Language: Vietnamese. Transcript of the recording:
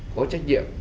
có trách nhiệm